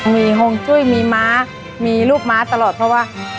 มีฮวงจุ้ยมีม้ามีลูกม้าตลอดเพราะว่า